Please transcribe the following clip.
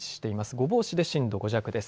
御坊市で震度５弱です。